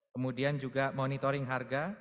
kemudian juga monitoring harga